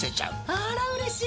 あらうれしい。